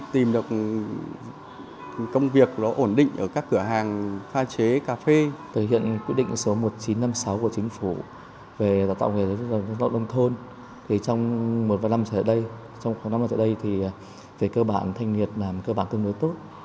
trong khoảng năm năm trở lại đây thì về cơ bản thanh nghiệp làm cơ bản tương đối tốt